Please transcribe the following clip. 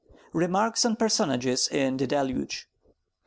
REMARKS ON PERSONAGES IN "THE DELUGE."